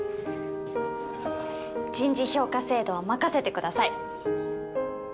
人事評価制度は任せてください